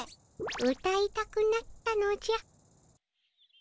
うたいたくなったのじゃ。